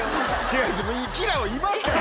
違いますか？